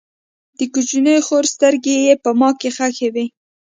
د کوچنۍ خور سترګې یې په ما کې خښې وې